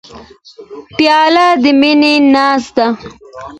پیاله د مینې ناز ده.